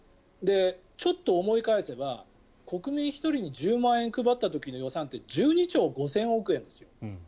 ちょっと思い返せば国民１人に１０万円配った時の予算って１２兆５０００億円ですよ。